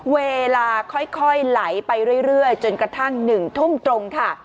เวลาค่อยไหลไปเรื่อยจนกระทั่ง๑ทุ่มตรงค่ะ